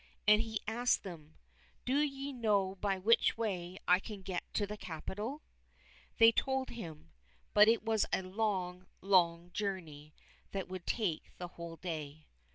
And he asked them, " Do ye know by which way I can get to the capital .?" They told him, but it was a long, long journey that would take the whole day.